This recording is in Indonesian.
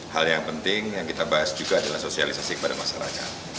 hal yang penting yang kita bahas juga adalah sosialisasi kepada masyarakat